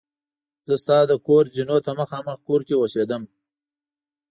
زه ستا د کور زینو ته مخامخ کور کې اوسېدم.